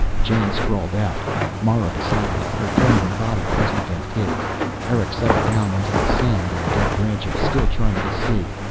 Jan sprawled out, Mara beside him, her trembling body pressed against his. Erick settled down into the sand and dead branches, still trying to see.